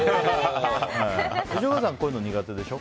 吉岡さんは、こういうの苦手でしょ？